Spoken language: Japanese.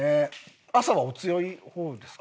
朝はお強い方ですか？